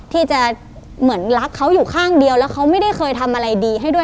ที่จะเหมือนรักเขาอยู่ข้างเดียวแล้วเขาไม่ได้เคยทำอะไรดีให้ด้วย